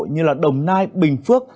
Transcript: như là đồng nai bình phước